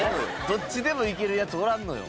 どっちでもいけるやつおらんのよ。